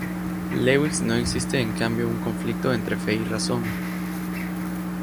Lewis no existe en cambio un conflicto entre fe y razón.